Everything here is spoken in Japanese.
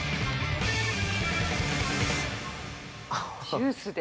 ジュースで。